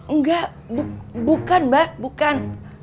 nggak bukan mbak bukan